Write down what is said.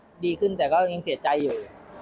ผ่านมาก็ก็ดีขึ้นแต่ก็ยังเสียใจอยู่